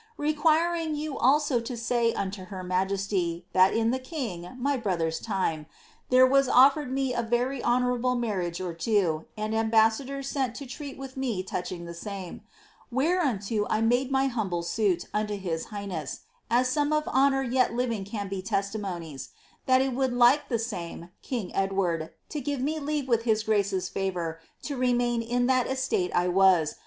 Requiring you also to say unto her majesty, that in the king, my brother's time, there was offered me a very honourable marriage or two, and ambassadors sent to treat with me touching the same, vhereunio I made my humble suit unto his highness (as some of honour yet living can be testimonies), that it would like the same (king Edward) to give me leave with his grace's favour to remain in that estate I was.